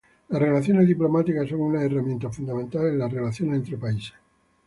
Las relaciones diplomáticas son una herramienta fundamental en las relaciones entre países.